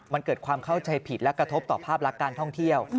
มันเกิดความเข้าใจผิดและกระทบต่อภาพลักษณ์การท่องเที่ยว